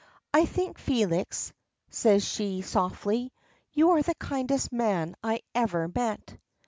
"I think, Felix," says she, softly, "you are the kindest man I ever met."